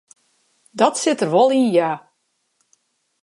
Dat sit der wol yn ja.